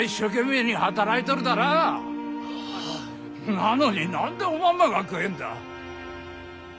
なのに何でおまんまが食えんだら？